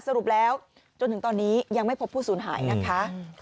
สรุปแล้วจนถึงตอนนี้ยังไม่พบผู้สูญหายนะคะ